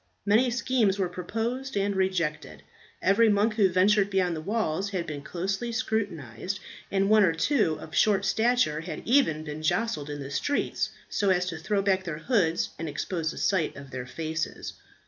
Many schemes were proposed and rejected. Every monk who ventured beyond the walls had been closely scrutinized, and one or two of short stature had even been jostled in the streets, so as to throw back their hoods and expose a sight of their faces.